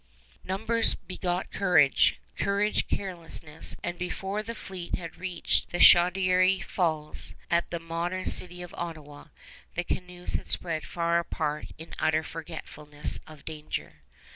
Numbers begot courage, courage carelessness; and before the fleet had reached the Chaudière Falls, at the modern city of Ottawa, the canoes had spread far apart in utter forgetfulness of danger.